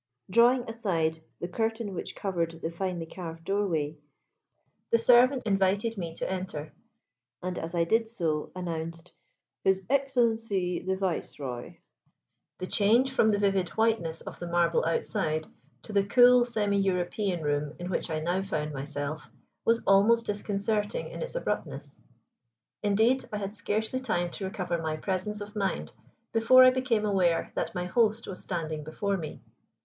Drawing aside the curtain which covered the finely carved doorway, the servant invited me to enter, and as I did so announced "His Excellency the Viceroy." The change from the vivid whiteness of the marble outside to the cool semi European room in which I now found myself was almost disconcerting in its abruptness. Indeed, I had scarcely time to recover my presence of mind before I became aware that my host was standing before me.